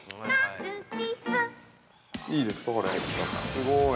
◆すごい。